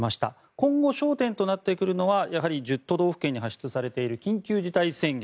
今後焦点となってくるのは１０都道府県に発出されている緊急事態宣言